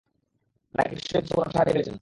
নাকি বিস্ময়ে কিছু বলার ভাষা হারিয়ে ফেলেছেন?